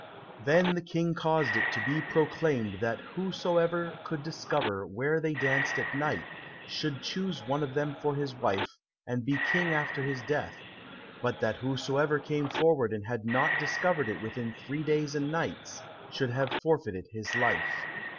Then the King caused it to be proclaimed that whosoever could discover where they danced at night, should choose one of them for his wife and be King after his death, but that whosoever came forward and had not discovered it within three days and nights, should have forfeited his life.